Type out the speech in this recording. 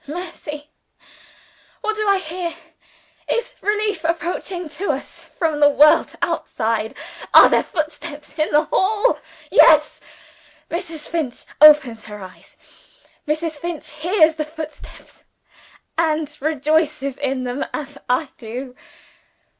Mercy! what do I hear? Is relief approaching to us from the world outside? Are there footsteps in the hall? Yes! Mrs. Finch opens her eyes; Mrs. Finch hears the footsteps, and rejoices in them as I do.